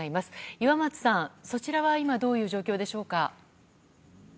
岩松さん、そちらはどういう状況でしょうか。